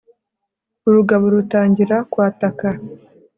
urugabo rutangira kwataka